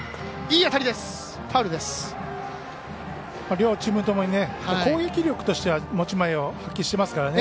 両チームともに攻撃力としては持ち前を発揮していますからね。